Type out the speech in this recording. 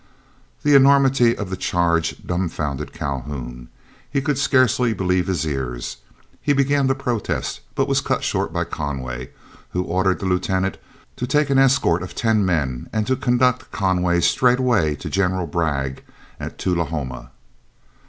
The enormity of the charge dumbfounded Calhoun. He could scarcely believe his ears. He began to protest, but was cut short by Conway, who ordered the Lieutenant to take an escort of ten men and to conduct Calhoun straightway to General Bragg at Tullahoma.